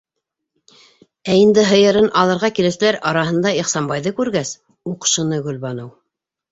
Ә инде һыйырын алырға килеүселәр араһында Ихсанбайҙы күргәс, уҡшыны Гөлбаныу.